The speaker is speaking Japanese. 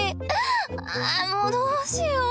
ああもうどうしよう！